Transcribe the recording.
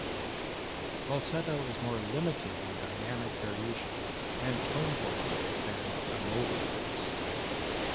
Falsetto is more limited in dynamic variation and tone quality than the modal voice.